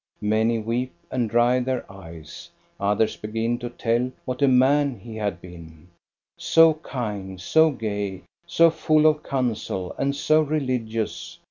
Many weep and dry their eyes; others begin to tell what a man he had been, — so kind, so gay, so full of counsel and so religious.